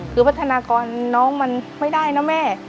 คือพัฒนากรน้องมันไม่ได้นะแม่